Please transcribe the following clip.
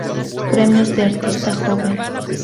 Premios de artista joven